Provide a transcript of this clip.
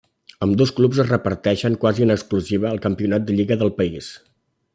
Ambdós clubs es reparteixen, quasi en exclusiva, el campionat de lliga del país.